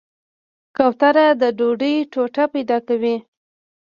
کوتره د ډوډۍ ټوټه پیدا کوي.